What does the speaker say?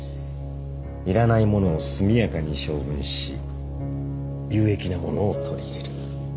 いらないものを速やかに処分し有益なものを取り入れる。